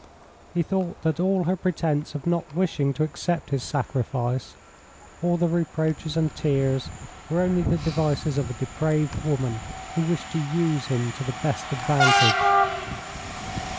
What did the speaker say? He thought that all her pretence of not wishing to accept his sacrifice, all the reproaches and tears, were only the devices of a depraved woman, who wished to use him to the best advantage.